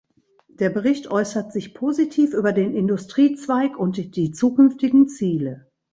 Der Bericht äußert sich positiv über den Industriezweig und die zukünftigen Ziele.